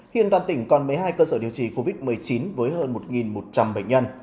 hiện toàn tỉnh còn một mươi hai cơ sở điều trị covid một mươi chín với hơn một một trăm linh bệnh nhân